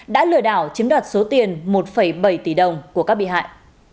đã lừa đảo chiếm đoạt số tiền một bảy tỷ đồng của các bị hại